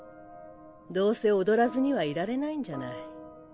どうせ踊らずにはいられないんじゃない。